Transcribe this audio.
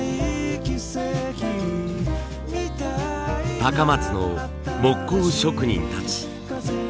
高松の木工職人たち。